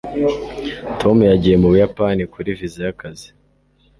tom yagiye mu buyapani kuri viza y'akazi